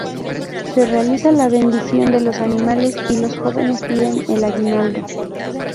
Se realiza la bendición de los animales y los jóvenes piden el aguinaldo.